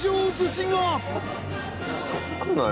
すごくない？